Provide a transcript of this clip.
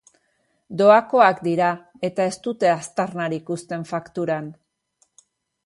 Doakoak dira eta ez dute aztarnarik uzten fakturan.